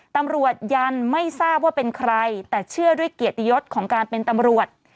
ตำรวจยันไม่ทราบว่าเป็นใครแต่เชื่อด้วยเกียรติยศของการเป็นตำรวจ